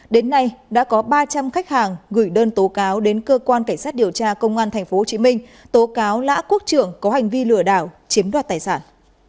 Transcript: đến nay đã có ba trăm linh khách hàng gửi đơn tố cáo đến cơ quan cảnh sát điều tra công an tp hcm tố cáo lã quốc trưởng có hành vi lừa đảo chiếm đoạt tài sản